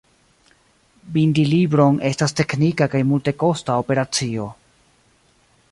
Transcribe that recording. Bindi libron estas teknika kaj multekosta operacio.